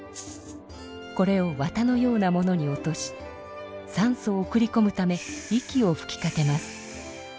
これをわたのようなものに落としさんそを送りこむため息をふきかけます。